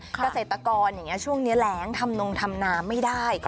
เกษตรกรอย่างนี้ช่วงนี้แรงทำนงทำน้ำไม่ได้